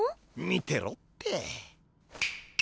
見てろって。